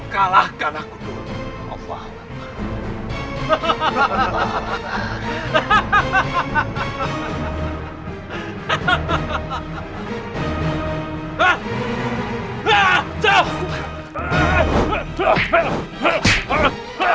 kalahkan aku dulu